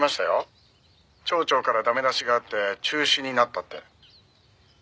「町長から駄目出しがあって中止になったって」